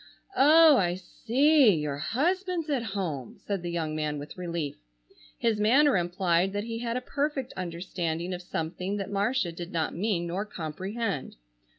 "Oh, I see! Your husband's at home!" said the young man with relief. His manner implied that he had a perfect understanding of something that Marcia did not mean nor comprehend.